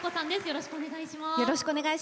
よろしくお願いします。